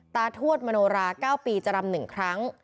ทวดมโนรา๙ปีจะรำ๑ครั้ง